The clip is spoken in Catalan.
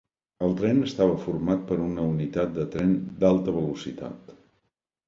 El tren estava format per una unitat de tren d'alta velocitat.